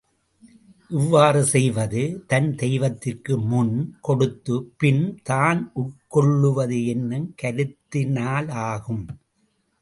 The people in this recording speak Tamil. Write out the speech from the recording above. இவ்வாறு செய்வது தன் தெய்வத்திற்கு முன் கொடுத்துப் பின் தான் உட்கொள்வது என்னும் கருத்தினலாகும்.